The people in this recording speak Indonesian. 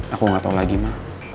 aku gak tau lagi mah